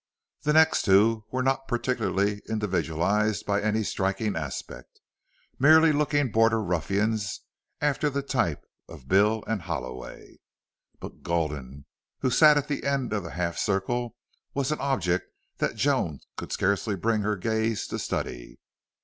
The next two were not particularly individualized by any striking aspect, merely looking border ruffians after the type of Bill and Halloway. But Gulden, who sat at the end of the half circle, was an object that Joan could scarcely bring her gaze to study.